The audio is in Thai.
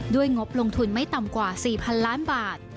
ด้วยงบลงทุนไม่ต่อกว่า๔พันล้านบาท